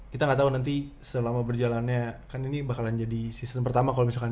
kita nggak tahu nanti selama berjalannya kan ini bakalan jadi season pertama kalau misalkan